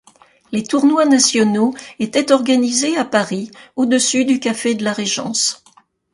Les tournois nationaux étaient organisés à Paris, au-dessus du café de la Régence.